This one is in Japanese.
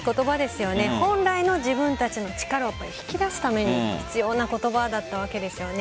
本来の自分たちの力を引き出すためにも必要な言葉だったわけですよね。